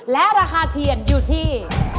และราคาเทียนอยู่ที่